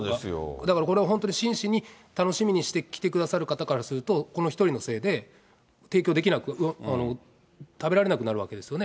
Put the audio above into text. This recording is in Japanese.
だからこれ、本当に真摯に、楽しみにして来てくださる方からすると、この１人のせいで、提供できなく、食べられなくなるわけですよね。